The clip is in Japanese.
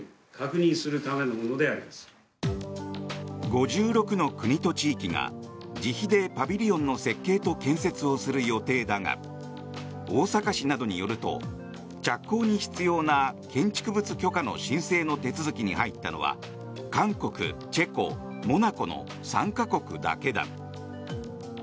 ５６の国と地域が自費でパビリオンの設計と建設をする予定だが大阪市などによると着工に必要な建築物許可の申請の手続きに入ったのは韓国、チェコ、モナコの３か国だけだ。